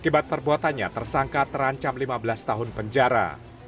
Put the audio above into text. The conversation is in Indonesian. akibat perbuatannya tersangka terancam lima belas tahun penjara